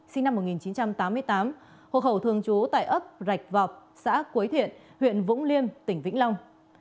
sinh năm một nghìn chín trăm tám mươi tám hộ khẩu thương chú tại ấp rạch vọc xã cuối thiện huyện vũng liêm tỉnh vĩnh long